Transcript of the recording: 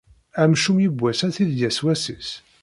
Amcum yiwwas ad t-id-yas wass-is.